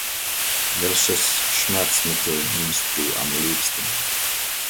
Welches Schmerzmittel nimmst du am liebsten?